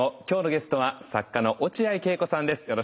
今日のゲストは作家の落合恵子さんです。